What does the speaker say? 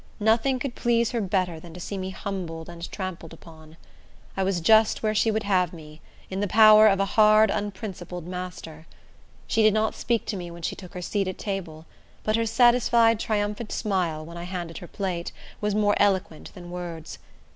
Nothing could please her better than to see me humbled and trampled upon. I was just where she would have me—in the power of a hard, unprincipled master. She did not speak to me when she took her seat at table; but her satisfied, triumphant smile, when I handed her plate, was more eloquent than words.